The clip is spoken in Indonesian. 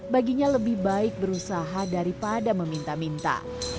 baginya lebih baik berusaha daripada meminta minta